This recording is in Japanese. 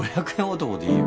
男でいいよ。